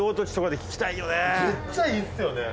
めっちゃいいですよね。